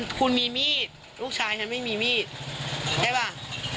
คุณมีมีดลูกชายฉันไม่มีมีดใช่ป่ะ